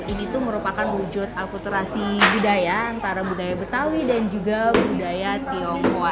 ini tuh merupakan wujud akuterasi budaya antara budaya betawi dan juga budaya tionghoa